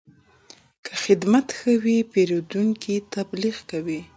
که خدمت ښه وي، پیرودونکی تبلیغ کوي.